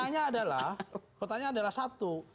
nah pertanyaannya adalah satu